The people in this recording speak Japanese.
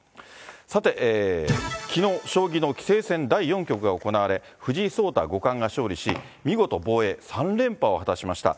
さて、きのう、将棋の棋聖戦第４局が行われ、藤井聡太五冠が勝利し、見事防衛３連覇を果たしました。